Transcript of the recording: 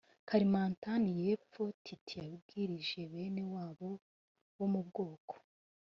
kalimantan y epfo titi yabwirije bene wabo bo mu bwoko